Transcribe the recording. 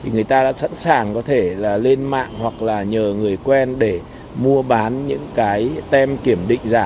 người ta đã sẵn sàng lên mạng hoặc nhờ người quen để mua bán những cái tem kiểm định giả